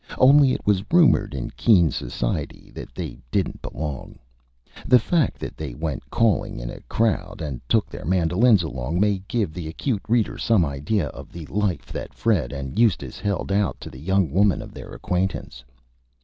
Only it was rumored in Keen Society that they didn't Belong. The Fact that they went Calling in a Crowd, and took their Mandolins along, may give the Acute Reader some Idea of the Life that Fred and Eustace held out to the Young Women of their Acquaintance.